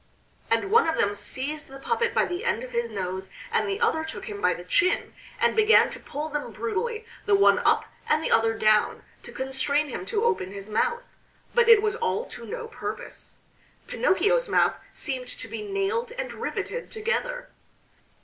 And one of them seized the puppet by the end of his nose, and the other took him by the chin, and began to pull them brutally, the one up, and the other down, to constrain him to open his mouth, but it was all to no purpose. Pinocchio's mouth seemed to be nailed and riveted together.